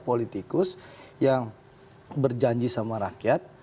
politikus yang berjanji sama rakyat